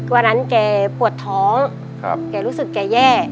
วันนั้นแกปวดท้องแกรู้สึกแกแย่